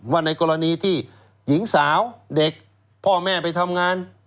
ในกรณีที่หญิงสาวเด็กพ่อแม่ไปทำงาน